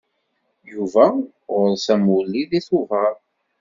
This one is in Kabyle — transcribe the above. Yuba ɣur-s amulli deg Tubeṛ.